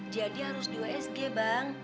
jadi harus di usg bang